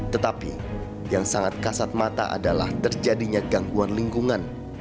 tetapi yang sangat kasat mata adalah terjadinya gangguan lingkungan